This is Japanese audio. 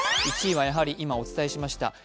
１位はやはり今お伝えしました。